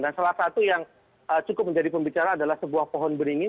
dan salah satu yang cukup menjadi pembicara adalah sebuah pohon beringin